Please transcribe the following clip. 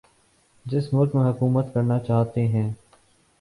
جس ملک میں حکومت کرنا چاہتے ہیں